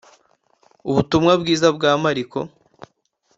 ubutumwa bwiza bwa mariko